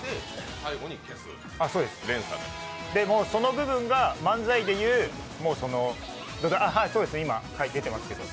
でもその部分が漫才でいうそうですね、今出てますけど。